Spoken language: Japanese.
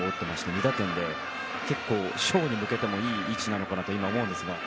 ２打点で結構、賞に向けてもいい位置なのかなと思うんですが。